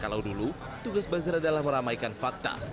kalau dulu tugas bazar adalah meramaikan fakta